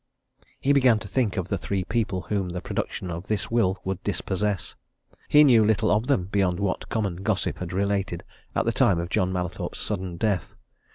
He began to think of the three people whom the production of this will would dispossess. He knew little of them beyond what common gossip had related at the time of John Mallathorpe's sudden death.